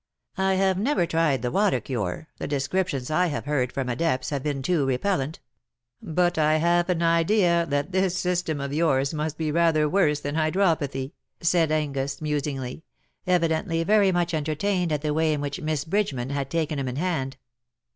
" I have never tried the water cure — the descrip tions I have heard from adepts have been too repellent ; but I have an idea that this, system of yours must be rather worse than hydropathy,^^ said Angus, musingly — evidently very much entertained at the way in which Miss Bridgeman had taken him in hand.